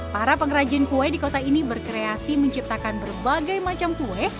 para pengrajin kue di kota ini berkreasi menciptakan berbagai macam kue